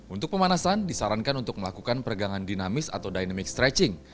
untuk pemanasan disarankan untuk melakukan peregangan dinamis atau dynamic stretching